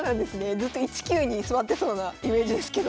ずっと１九に座ってそうなイメージですけど。